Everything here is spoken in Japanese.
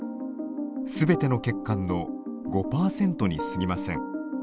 すべての血管の５％にすぎません。